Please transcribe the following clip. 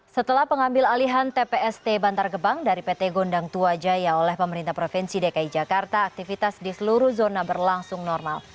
setelah pengambil alihan tpst bantar gebang dari pt gondang tua jaya oleh pemerintah provinsi dki jakarta aktivitas di seluruh zona berlangsung normal